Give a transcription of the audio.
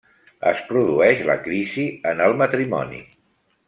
Es produeix la crisi en el matrimoni.